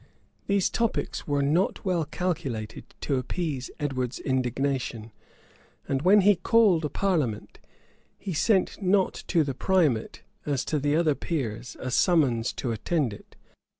[*] These topics were not well calculated to appease Edward's indignation; and when he called a parliament, he sent not to the primate, as to the other peers, a summons to attend it.